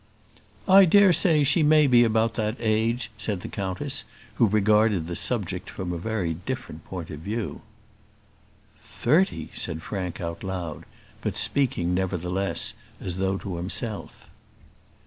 "I dare say she may be about that age," said the countess, who regarded the subject from a very different point of view. "Thirty!" said Frank out loud, but speaking, nevertheless, as though to himself.